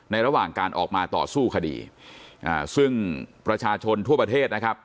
ระหว่างการออกมาต่อสู้คดีอ่าซึ่งประชาชนทั่วประเทศนะครับ